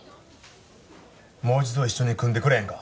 もう一度一緒に組んでくれへんか？